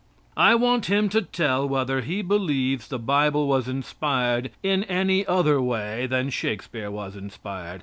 I want him to tell whether he believes the Bible was inspired in any other way than Shakespeare was inspired.